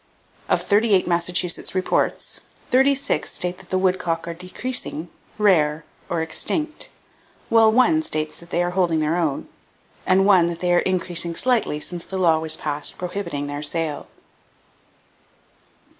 Of thirty eight Massachusetts reports, thirty six state that "woodcock are decreasing," "rare" or "extinct," while one states that they are holding their own, and one that they are increasing slightly since the law was passed prohibiting their sale."